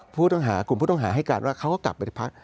ผู้ต้องหากลุ่มผู้ต้องหาให้การว่าเขาก็กลับไปที่พัก